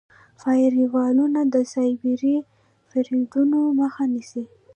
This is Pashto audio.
فایروالونه د سایبري بریدونو مخه نیسي.